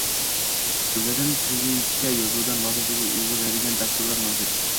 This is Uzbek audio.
Jumladan, kirillcha yozuvdan lotinchaga o‘giradigan dasturlar mavjud.